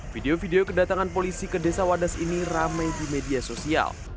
video video kedatangan polisi ke desa wadas ini ramai di media sosial